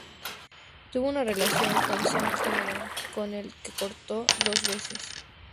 Tuvo una relación con "Sean Cameron", con el que cortó dos veces.